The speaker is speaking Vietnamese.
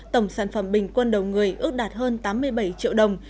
tổng sản phẩm bình quân đầu người ước đạt hơn tám mươi bảy triệu đồng